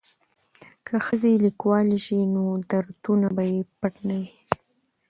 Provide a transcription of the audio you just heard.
که ښځې لیکوالې شي نو دردونه به یې پټ نه وي.